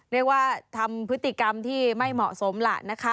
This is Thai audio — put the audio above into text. เรียกว่าทำพฤติกรรมที่ไม่เหมาะสมล่ะนะคะ